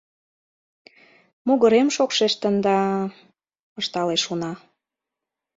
— Могырем шокшештын да... — ышталеш уна.